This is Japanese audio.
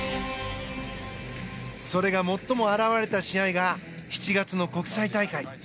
それが最も表れた試合が７月の国際大会。